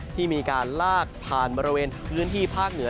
ที่มีการลากผ่านบริเวณพื้นที่ภาคเหนือ